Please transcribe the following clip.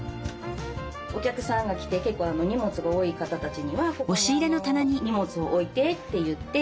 お客さんが来て結構荷物が多い方たちには「ここに荷物を置いて」って言って。